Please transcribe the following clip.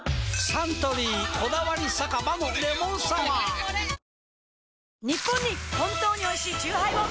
サントリー「こだわり酒場のレモンサワー」ニッポンに本当においしいチューハイを！